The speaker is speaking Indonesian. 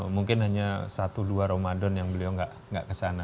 mungkin hanya satu dua ramadan yang beliau nggak kesana